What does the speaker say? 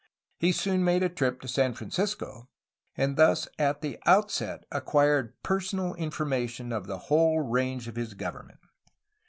He soon made a trip to San Francisco, and thus at the outset acquired personal information of the whole range of his government.